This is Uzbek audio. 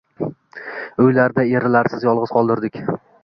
uylarida erlarisiz yolg‘iz qoldirdik.